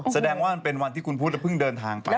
แสดงว่ามันเป็นวันที่คุณพุทธเพิ่งเดินทางไป